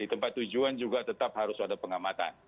di tempat tujuan juga tetap harus ada pengamatan